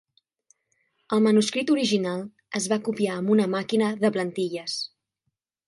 El manuscrit original es va copiar amb una màquina de plantilles.